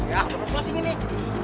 ya aku mau kelas ini nih